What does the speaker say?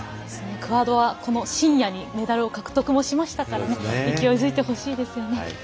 クアードは深夜にメダル獲得しましたから勢いづいてほしいですね。